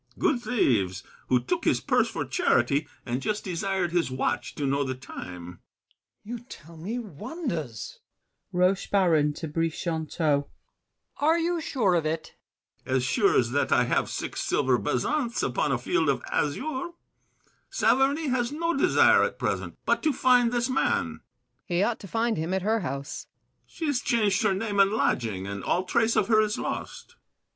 — Good thieves, who took his purse for charity, And just desired his watch to know the time. GASSÉ. You tell me wonders! ROCHEBARON (to Brichanteau). Are you sure of it? BRICHANTEAU. As sure as that I have six silver bezants Upon a field of azure. Saverny Has no desire, at present, but to find This man. BOUCHAVANNES. He ought to find him at her house. BRICHANTEAU. She's changed her name and lodging, and all trace Of her is lost.